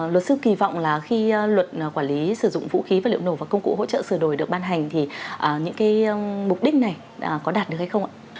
luật sư kỳ vọng là khi luật quản lý sử dụng vũ khí và liệu nổ và công cụ hỗ trợ sửa đổi được ban hành thì những cái mục đích này có đạt được hay không ạ